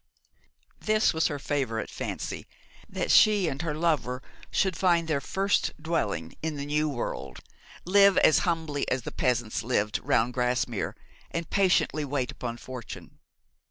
This was her favourite fancy, that she and her lover should find their first dwelling in the new world, live as humbly as the peasants lived round Grasmere, and patiently wait upon fortune.